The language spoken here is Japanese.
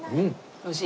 おいしい？